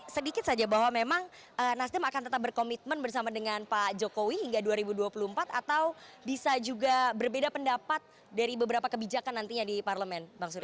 sedikit saja bahwa memang nasdem akan tetap berkomitmen bersama dengan pak jokowi hingga dua ribu dua puluh empat atau bisa juga berbeda pendapat dari beberapa kebijakan nantinya di parlemen bang surya